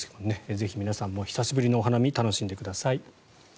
ぜひ、皆さんも久しぶりのお花見を楽しんでください。